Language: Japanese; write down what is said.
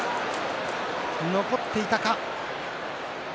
残っていたか。